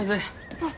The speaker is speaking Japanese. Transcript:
あっ。